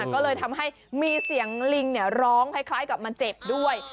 ก็เลยทำให้มีเสียงลิงร้องคล้ายกับมันเจ็บด้วย